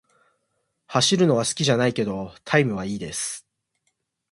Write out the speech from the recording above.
走るのは好きじゃないけど、タイムは良いです。